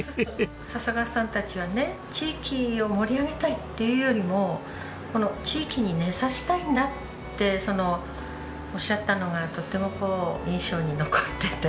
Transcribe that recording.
笹川さんたちはね地域を盛り上げたいというよりもこの地域に根差したいんだっておっしゃったのがとってもこう印象に残ってて。